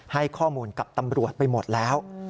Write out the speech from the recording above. ให้ข้อมูลกับตำรวจไปหมดแล้ว